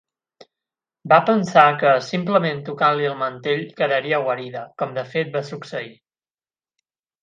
Va pensar que simplement tocant-li el mantell quedaria guarida, com de fet va succeir.